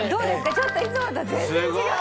ちょっといつもとは全然違う！